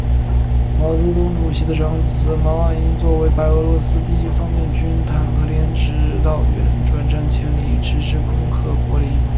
毛泽东主席的长子毛岸英作为白俄罗斯第一方面军坦克连指导员，转战千里，直至攻克柏林。